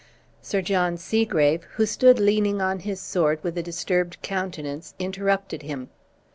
Sir John Segrave, who stood leaning on his sword with a disturbed countenance, interrupted him.